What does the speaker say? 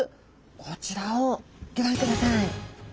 こちらをギョ覧ください。